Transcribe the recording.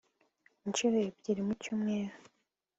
incuro ebyiri mu cyumweru